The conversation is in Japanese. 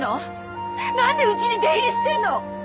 何でうちに出入りしてんの？